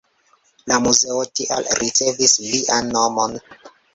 La muzeo tial ricevis lian nomon.